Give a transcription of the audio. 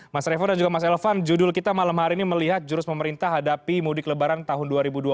mas revo dan juga mas elvan judul kita malam hari ini melihat jurus pemerintah hadapi mudik lebaran tahun dua ribu dua puluh